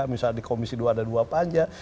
misalnya di komisi dua dan dua panja